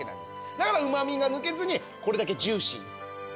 だからうま味が抜けずにこれだけジューシー。